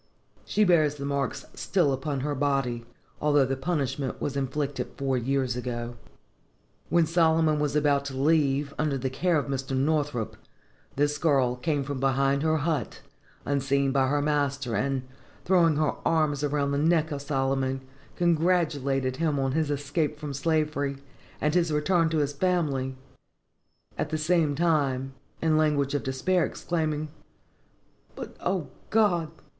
She bears the marks still upon her body although the punishment was inflicted four years ago. When Solomon was about to leave, under the care of Mr. Northrop, this girl came from behind her hut, unseen by her master, and, throwing her arms around the neck of Solomon, congratulated him on his escape from slavery, and his return to his family; at the same time, in language of despair, exclaiming, "But, O God!